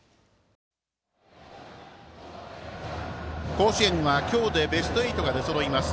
甲子園は今日でベスト８が出そろいます。